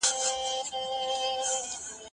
زه پرون واښه راوړله؟!